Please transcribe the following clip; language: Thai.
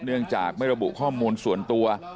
เนื่องจากไม่ระบุข้อมูลส่วนตัว